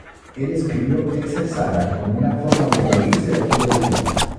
Él escribió "Excel Saga" como una forma de "reírse de aquella visión..".